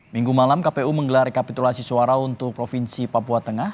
minggu malam kpu menggelar rekapitulasi suara untuk provinsi papua tengah